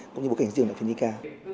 cũng như bối cảnh riêng đạo phiên nhi ca